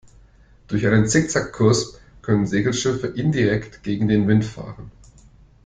Durch einen Zickzack-Kurs können Segelschiffe indirekt gegen den Wind fahren.